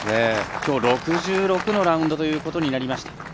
きょう、６６のラウンドということになりました。